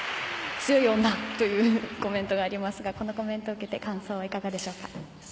強い女というコメントがありますがこのコメントを受けて感想いかがでしょうか。